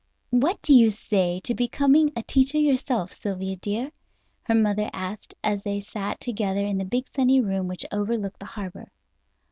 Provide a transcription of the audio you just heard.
"What do you say to becoming a teacher yourself, Sylvia dear?" her mother asked, as they sat together in the big sunny room which overlooked the harbor.